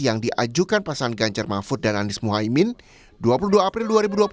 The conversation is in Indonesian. yang diajukan pasangan ganjar mahfud dan andis muhaymin dua puluh dua april dua ribu dua puluh tiga